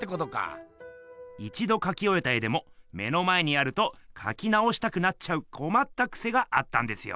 一どかきおえた絵でも目の前にあるとかきなおしたくなっちゃうこまったくせがあったんですよ。